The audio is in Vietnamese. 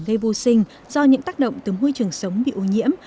gây vô sinh do những tác động từ môi trường sống bị ô nhiễm